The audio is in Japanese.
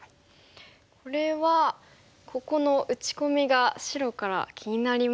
これはここの打ち込みが白から気になりますが。